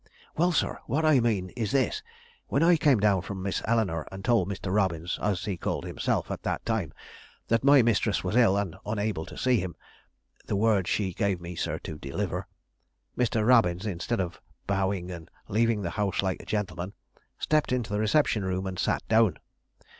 "Well, sir, what I mean is this. When I came down from Miss Eleanore and told Mr. Robbins, as he called himself at that time, that my mistress was ill and unable to see him (the word she gave me, sir, to deliver) Mr. Robbins, instead of bowing and leaving the house like a gentleman, stepped into the reception room and sat down.